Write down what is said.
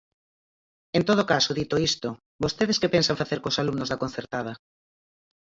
En todo caso, dito isto, ¿vostedes que pensan facer cos alumnos da concertada?